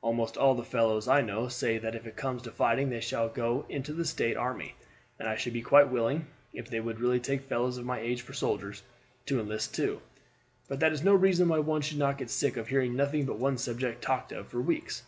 Almost all the fellows I know say that if it comes to fighting they shall go into the State army, and I should be quite willing, if they would really take fellows of my age for soldiers, to enlist too; but that is no reason why one should not get sick of hearing nothing but one subject talked of for weeks."